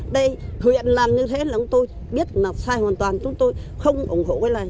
đây huyện làm như thế là tôi biết là sai hoàn toàn chúng tôi không ủng hộ với lại